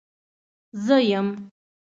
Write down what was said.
زه يم.